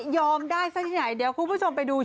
ยอมได้ไซส์ที่ไหนเดี๋ยวคุณผู้ชมไปดุ